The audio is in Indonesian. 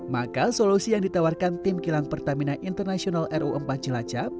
maka solusi yang ditawarkan tim kilang pertamina internasional ru empat cilacap